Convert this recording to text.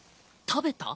食べた？